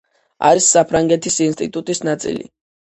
არის საფრანგეთის ინსტიტუტის ნაწილი.